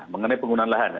mengenai penggunaan lahan